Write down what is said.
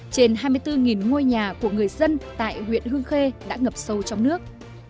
trên hai mươi bốn ngôi nhà của người dân tại huyện hương khê đã ngập sâu trong nước